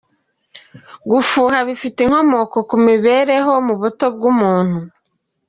Gufuha bifite inkomoko ku mibereho mu buto bw’umuntu .